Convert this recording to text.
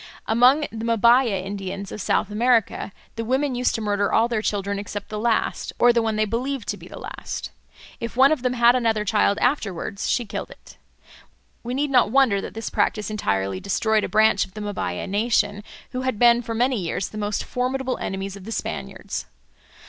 Among the Mbaya Indians of South America the women used to murder all their children except the last, or the one they believed to be the last. If one of them had another child afterwards, she killed it. We need not wonder that this practice entirely destroyed a branch of the Mbaya nation, who had been for many years the most formidable enemies of the Spaniards.